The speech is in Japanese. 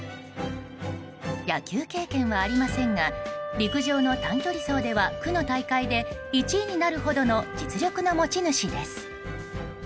野球経験はありませんが陸上の短距離走では区の大会で１位になるほどの実力の持ち主です。